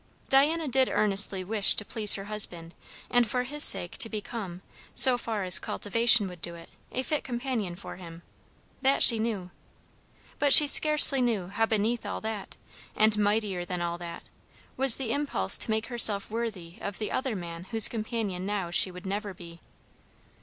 Diana did earnestly wish to please her husband, and for his sake to become, so far as cultivation would do it, a fit companion for him. That she knew. But she scarcely knew, how beneath all that, and mightier than all that, was the impulse to make herself worthy of the other man whose companion now she would never be.